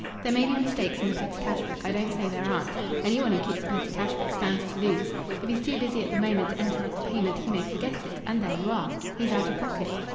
"There may be mistakes in the petty cash book. I don't say there aren't. Any one who keeps a petty cash book stands to lose. If he's too busy at the moment to enter up a payment, he may forget it and there you are! He's out of pocket.